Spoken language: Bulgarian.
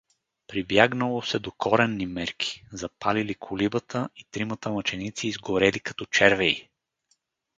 Прибягнало се до коренни мерки: запалили колибата и тримата мъченици изгорели като червеи!